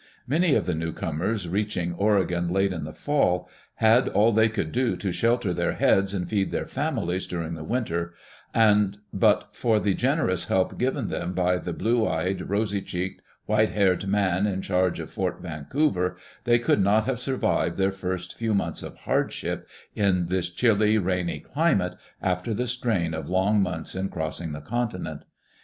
Many of the newcomers, reaching Oregon late in the fall, had all they could do to shelter their heads and feed their families during the winter, and but for the generous help given them by the blue eyed, rosy cheeked, white haired man in charge of Fort Vancouver, they could not have survived their first few months of hardship in this chilly, rainy climate, after the strain of long months in crossing the continent.